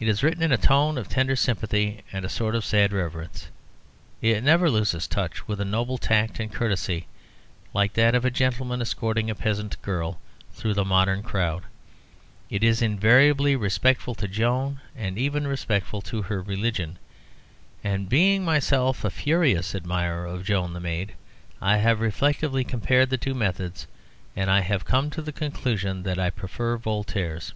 It is written in a tone of tender sympathy, and a sort of sad reverence; it never loses touch with a noble tact and courtesy, like that of a gentleman escorting a peasant girl through the modern crowd. It is invariably respectful to Joan, and even respectful to her religion. And being myself a furious admirer of Joan the Maid, I have reflectively compared the two methods, and I come to the conclusion that I prefer Voltaire's.